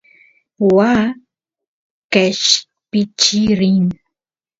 waa qeshpichiy rin